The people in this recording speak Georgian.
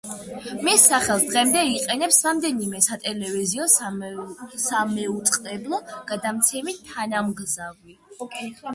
მის სახელს დღემდე იყენებს რამდენიმე სატელევიზიო სამაუწყებლო გადამცემი თანამგზავრი.